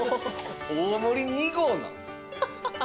大盛り２合なん？